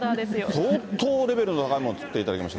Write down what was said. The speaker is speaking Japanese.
相当レベルの高いもの、作っていただきました。